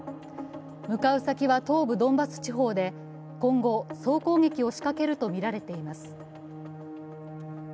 向かう先は東部ドンバス地方で今後、総攻撃を仕掛けるとみられています。